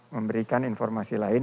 memberikan informasi lain